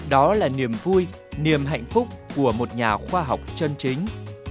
đó là niềm vui niềm hạnh phúc của một nhà khoa học chân chính